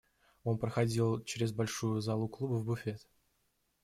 Он проходил чрез большую залу клуба в буфет.